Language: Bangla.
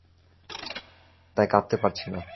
তাই, কাঁদতে পারছি না।